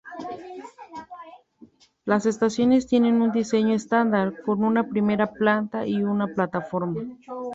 Las estaciones tienen un diseño estándar, con una primera planta y una plataforma.